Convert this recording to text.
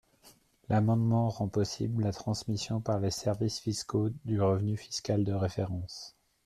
L’amendement rend possible la transmission par les services fiscaux du revenu fiscal de référence.